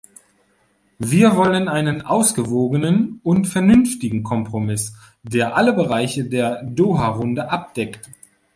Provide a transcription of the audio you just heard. Wir wollen einen ausgewogenen und vernünftigen Kompromiss, der alle Bereiche der Doha-Runde abdeckt.